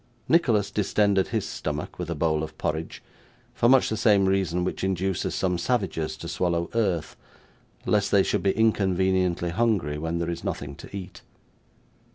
Nicholas distended his stomach with a bowl of porridge, for much the same reason which induces some savages to swallow earth lest they should be inconveniently hungry when there is nothing to eat.